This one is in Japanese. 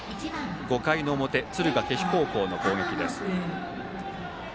５回の表、敦賀気比高校の攻撃。